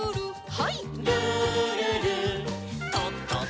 はい。